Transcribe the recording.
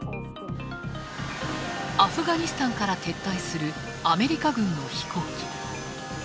アフガニスタンから撤退するアメリカ軍の飛行機。